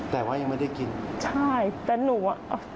แต่ว่ายังไม่ได้กินใช่แต่หนูอ่ะ